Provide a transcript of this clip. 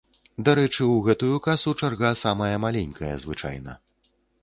Дарэчы, у гэтую касу чарга самая маленькая звычайна.